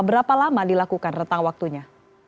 berapa lama dilakukan rentang waktunya